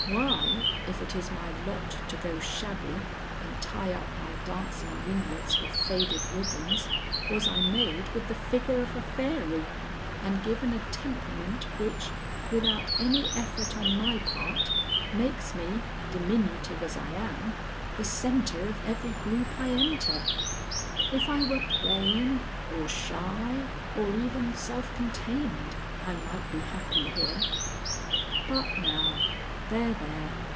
Why, if it is my lot to go shabby, and tie up my dancing ringlets with faded ribbons, was I made with the figure of a fairy and given a temperament which, without any effort on my part, makes me, diminutive as I am, the centre of every group I enter? If I were plain, or shy, or even self contained, I might be happy here, but now There! there!